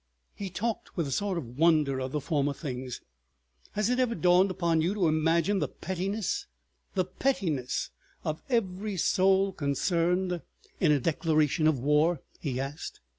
He talked with a sort of wonder of the former things. "Has it ever dawned upon you to imagine the pettiness—the pettiness!—of every soul concerned in a declaration of war?" he asked.